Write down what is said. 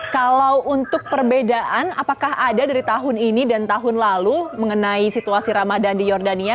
kalau untuk perbedaan apakah ada dari tahun ini dan tahun lalu mengenai situasi ramadan di jordania